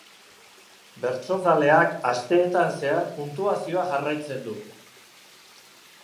Bertsozaleak asteetan zehar puntuazioa jarraitzen du.